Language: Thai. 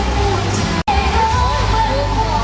สุดท้ายสุดท้ายสุดท้าย